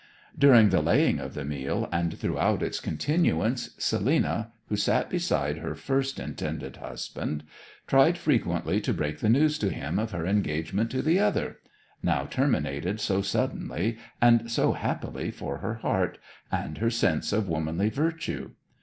During the laying of the meal, and throughout its continuance, Selina, who sat beside her first intended husband, tried frequently to break the news to him of her engagement to the other now terminated so suddenly, and so happily for her heart, and her sense of womanly virtue.